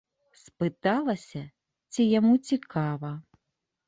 Спыталася, ці яму цікава.